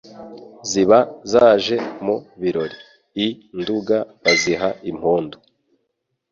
Ziba zaje mu birori,I Nduga baziha impundu